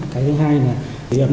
cái thứ hai là sửa ấm